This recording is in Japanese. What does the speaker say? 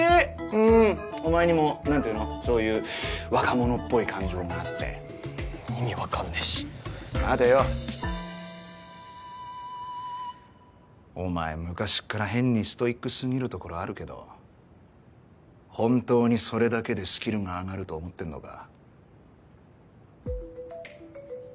うんお前にも何ていうのそういう若者っぽい感情があって意味分かんねえし待てよお前昔から変にストイックすぎるところあるけど本当にそれだけでスキルが上がると思ってんのか？